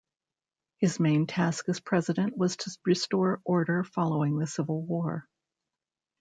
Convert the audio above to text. His main task as President was to restore order following the civil war.